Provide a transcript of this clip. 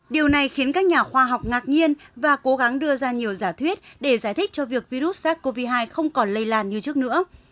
điều này khiến các nhà khoa học ngạc nhiên và cố gắng đưa ra nhiều giả thuyết để giải thích cho việc virus sars cov hai không còn lây lan như trước nữa